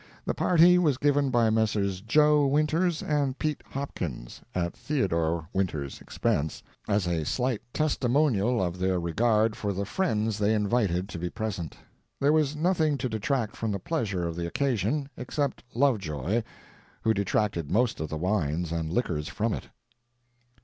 The party was given by Messrs. Joe Winters and Pete Hopkins (at Theodore Winters' expense) as a slight testimonial of their regard for the friends they invited to be present. There was nothing to detract from the pleasure of the occasion, except Lovejoy, who detracted most of the wines and liquors from it.